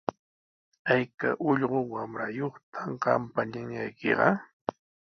¿Ayka ullqu wamrayuqtaq qampa ñañaykiqa?